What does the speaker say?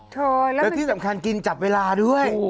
แล้วที่สำคัญกินจับเวลาด้วย